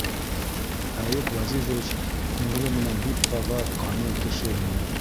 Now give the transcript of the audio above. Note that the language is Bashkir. Әйүп Ғәзизович күңеле менән бик таҙа, камил кеше ине.